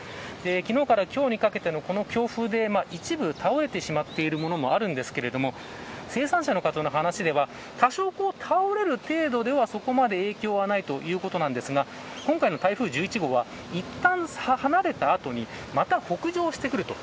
昨日から今日にかけての強風で一部、倒れてしまっているものもあるんですけれども生産者の方の話では多少倒れる程度ではそこまで影響はないということなんですが今回の台風１１号はいったん離れた後にまた北上してくると。